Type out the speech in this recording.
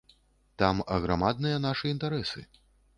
Там аграмадныя нашы інтарэсы.